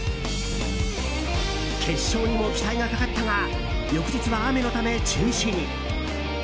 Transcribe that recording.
決勝にも期待がかかったが翌日は雨のため中止に。